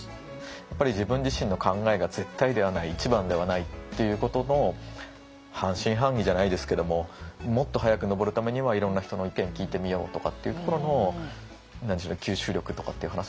やっぱり自分自身の考えが絶対ではない一番ではないっていうことの半信半疑じゃないですけどももっと早く登るためにはいろんな人の意見聞いてみようとかっていうところの吸収力とかっていう話なのかなっていう気はしますね。